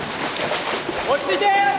落ち着いて！